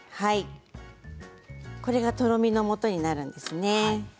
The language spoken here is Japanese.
これが、とろみのもとになるんですね。